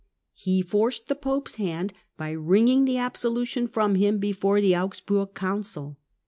He forced the Pope's hand by wringing the absolution from him before the Augsburg Council.